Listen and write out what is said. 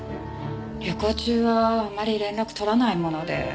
旅行中はあまり連絡とらないもので。